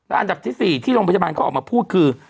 อันดับที่๔ที่โรงพยาบาลเขาออกมาพูดคือ